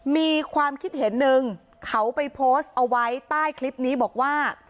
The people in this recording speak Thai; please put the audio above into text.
มีความคิดเห็นนึงเขาไปโพสต์เอาไว้ใต้คลิปนี้บอกว่า